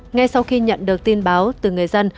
ngay sau khi nhận được tin báo từ người dân